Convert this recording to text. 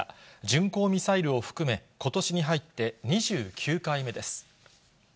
巡航ミサイルを含め、ことしに入って２９回目です。